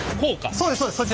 そうですそうです。